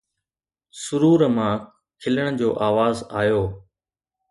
سرور مان کلڻ جو آواز آيو